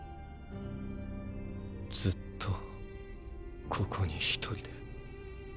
ずっとここに一人で。